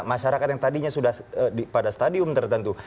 masyarakat yang tadinya sudah pada stadium tertentu